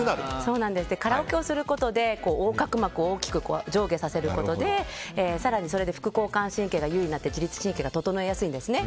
カラオケをすることで横隔膜を大きく上下させることで更にそれで副交感神経が優位になって自律神経が整いやすいんですね。